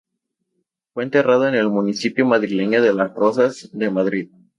Fue enterrado en el municipio madrileño de Las Rozas de Madrid.